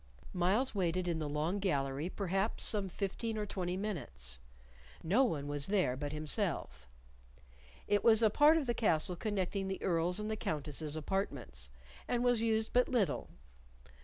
Myles waited in the Long Gallery perhaps some fifteen or twenty minutes. No one was there but himself. It was a part of the castle connecting the Earl's and the Countess's apartments, and was used but little.